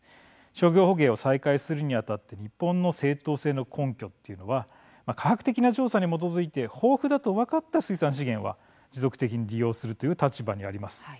商業捕鯨を再開するにあたって日本の正当性の根拠というのは科学的な調査に基づいて豊富だと分かった水産資源は持続的に利用するという立場にあります。